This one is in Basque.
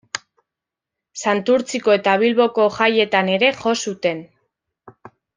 Santurtziko eta Bilboko jaietan ere jo zuten.